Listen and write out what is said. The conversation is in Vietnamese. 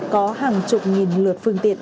có hàng chục nghìn lượt phương tiện